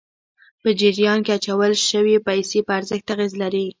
په جریان کې اچول شويې پیسې په ارزښت اغېز لري.